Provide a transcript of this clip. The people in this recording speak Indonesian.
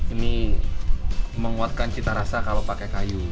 ini menguatkan cita rasa kalau pakai kayu